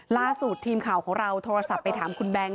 ล่าสุดทีมข่าวของเราโทรศัพท์ไปถามคุณแบงค์